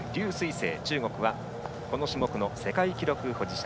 青はこの種目の世界記録保持者。